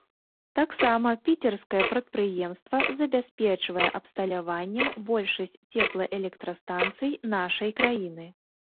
Таксама піцерскае прадпрыемства забяспечвае абсталяваннем большасць цеплаэлектрастанцый нашай краіны.